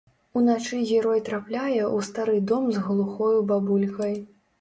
Уначы герой трапляе ў стары дом з глухою бабулькай.